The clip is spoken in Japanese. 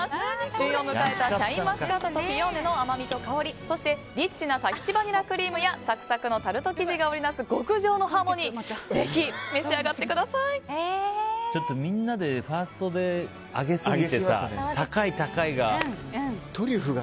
旬を迎えたシャインマスカットとピオーネの甘みと香り、そしてリッチなタヒチバニラクリームやサクサクのタルト生地が織りなす極上のハーモニーみんなでファーストで上げすぎてさ、高い高いが。